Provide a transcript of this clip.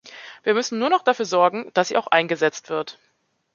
Wir müssen nur noch dafür sorgen, dass sie auch eingesetzt wird.